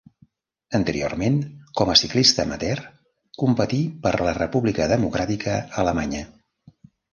Anteriorment, com a ciclista amateur, competí per la República Democràtica Alemanya.